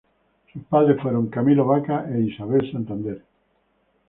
Sus padres fueron Camilo Vaca e Isabel Santander.